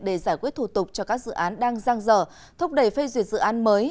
để giải quyết thủ tục cho các dự án đang giang dở thúc đẩy phê duyệt dự án mới